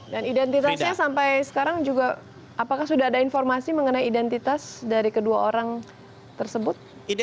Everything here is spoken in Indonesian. dan identitasnya sampai sekarang juga apakah sudah ada informasi mengenai identitas dari kedua orang tersebut